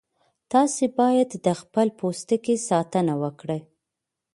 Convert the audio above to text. تاسي باید د خپل پوستکي ساتنه وکړئ.